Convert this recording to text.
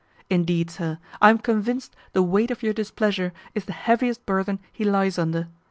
Indeed, sir, I am convinced the weight of your displeasure is the heaviest burthen he lies under.